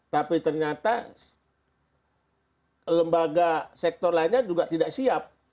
tapi ternyata lembaga sektor lainnya juga tidak siap